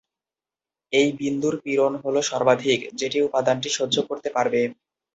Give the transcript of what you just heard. এই বিন্দুর পীড়ন হল সর্বাধিক, যেটি উপাদানটি সহ্য করতে পারবে।